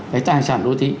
cái tài sản đô thị